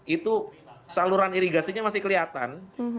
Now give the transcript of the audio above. itu saluran irigasinya masih kelihatan